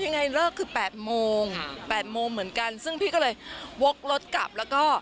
ยังไงเลิกคือ๘โมง๘โมงเหมือนกันซึ่งพี่ก็เลยวกรถกลับแล้วก็